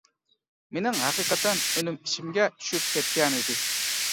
مېنىڭ ھەقىقەتەن ئۈنۈم ئىچىمگە چۈشۈپ كەتكەنىدى.